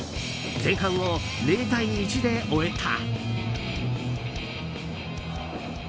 前半を０対１で終えた。